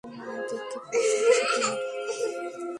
তথ্য পাওয়ার সাথে সাথেই আমাদের বের হতে হয়।